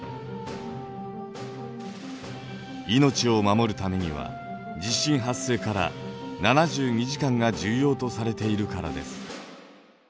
命を守るためには地震発生から７２時間が重要とされているからです。